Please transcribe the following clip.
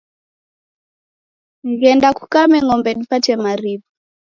Ghenda kukame ng'ombe dipate mariw'a